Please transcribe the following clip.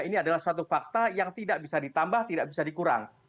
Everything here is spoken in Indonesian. ini adalah suatu fakta yang tidak bisa ditambah tidak bisa dikurang